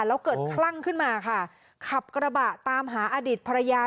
แล้วเกิดคลั่งขึ้นมาค่ะขับกระบะตามหาอดีตภรรยา